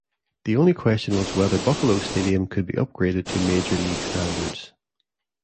The only question was whether Buffalo Stadium could be upgraded to major-league standards.